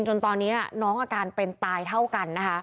จนตอนนี้น้องอาการเป็นตายเท่ากันนะคะ